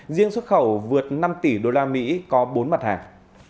riêng xuất khẩu vượt năm tỷ usd có bốn mặt hàng